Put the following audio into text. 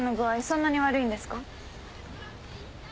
そんなに悪いんですか？